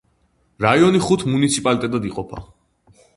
რაიონი ხუთ მუნიციპალიტეტად იყოფა.